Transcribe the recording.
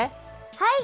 はい！